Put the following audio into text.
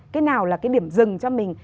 cái nào là cái điểm dừng cho mình